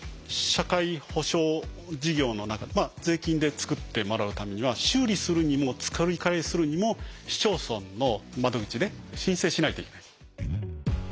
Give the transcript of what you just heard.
社会保障事業の中税金で作ってもらうためには修理するにも作り替えするにも市町村の窓口で申請しないといけないです。